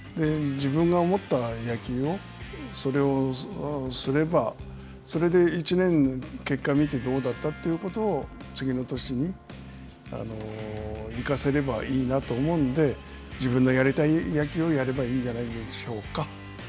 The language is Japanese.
自分が思った野球をそれをすればそれで１年、結果を見てどうだったということを次の年に生かせればいいなと思うんで自分のやりたい野球をやればいいんじゃないでしょうか。